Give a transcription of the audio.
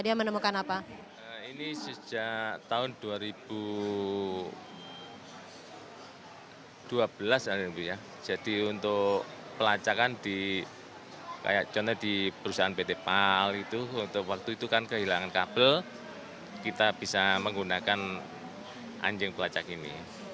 ini sejak tahun dua ribu dua belas ya jadi untuk pelacakan di kayak contohnya di perusahaan pt pal itu untuk waktu itu kan kehilangan kabel kita bisa menggunakan anjing pelacak ini